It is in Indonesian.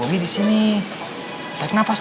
mas bobi disini baik napasin